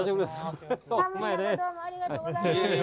寒い中どうもありがとうございます。